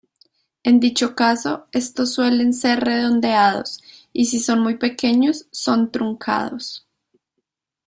En dicho caso estos suelen ser redondeados, y si son muy pequeños son truncados.